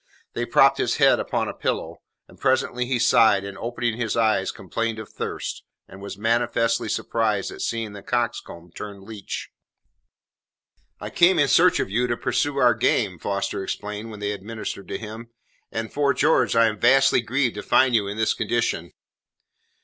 They propped his head upon a pillow, and presently he sighed and, opening his eyes, complained of thirst, and was manifestly surprised at seeing the coxcomb turned leech. "I came in search of you to pursue our game," Foster explained when they had ministered to him, "and, 'fore George, I am vastly grieved to find you in this condition."